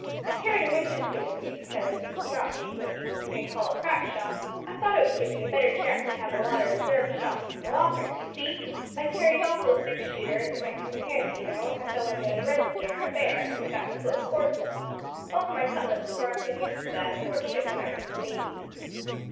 I carried a Winchester with me, because, not bein' what you may call a crack shot, I thought it would give me a better chance to have a lot o' resarve shots in the locker, d'ye see? I carried also a six shooter, as it might come handy, you know, if I fell in wi' a Redskin or a bear, an' got to close quarters. Also my cutlass, for I've bin used to that aboard ship when I was in the navy.